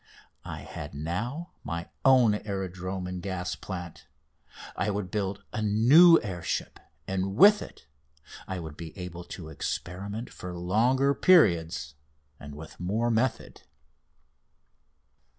I had now my own aerodrome and gas plant. I would build a new air ship, and with it I would be able to experiment for longer periods and with more method.